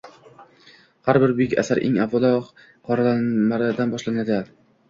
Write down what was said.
Har bir buyuk asar eng avval qoralamalardan boshlanadi